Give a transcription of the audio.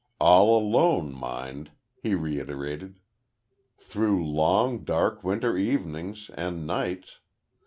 All alone, mind," he reiterated, "through long, dark winter evenings and nights.